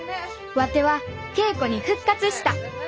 ワテは稽古に復活した。